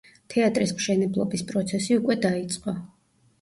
თეატრის მშენებლობის პროცესი უკვე დაიწყო.